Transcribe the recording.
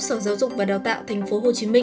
sở giáo dục và đào tạo tp hcm